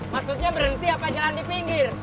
maksudnya berhenti apa jalan di pinggir